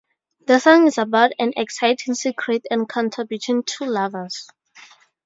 The song is about an exciting secret encounter between two lovers.